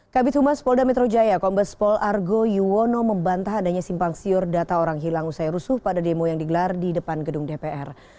kabit humas polda metro jaya kombes pol argo yuwono membantah adanya simpang siur data orang hilang usai rusuh pada demo yang digelar di depan gedung dpr